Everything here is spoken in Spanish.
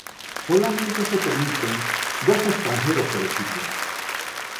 Solamente se permiten dos extranjeros por equipo.